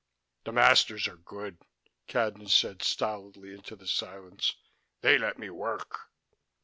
"The masters are good," Cadnan said stolidly into the silence. "They let me work."